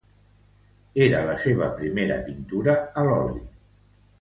Era la seva primera pintura a l'oli.